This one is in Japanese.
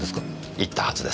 言ったはずです。